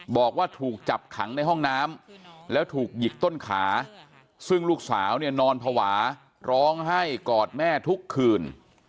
บอกว่าถูกจับขังในห้องน้ำแล้วถูกหยิกต้นขาซึ่งลูกสาวเนี่ยนอนภาวะร้องไห้กอดแม่ทุกคืน